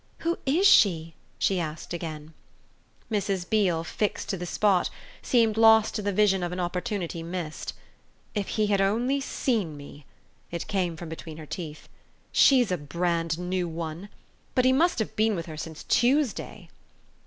"Who IS she?" she asked again. Mrs. Beale, fixed to the spot, seemed lost in the vision of an opportunity missed. "If he had only seen me!" it came from between her teeth. "She's a brand new one. But he must have been with her since Tuesday."